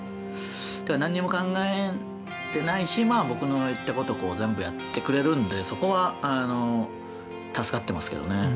だから、何も考えてないし僕の言ったことを全部やってくれるんでそこは助かってますけどね。